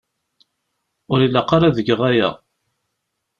Ur ilaq ara ad geɣ aya.